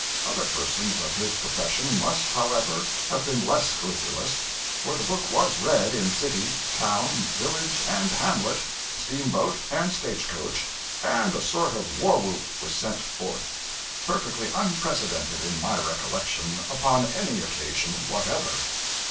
Other persons of his profession must, however, have been less scrupulous; for the book was read in city, town, village, and hamlet, steamboat, and stage coach, and a sort of war whoop was sent forth perfectly unprecedented in my recollection upon any occasion whatever.